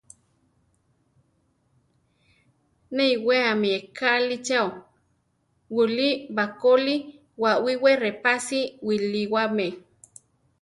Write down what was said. Ne iwéami ekáli chéo: wúli bakóli bawí we repási wiliwámi.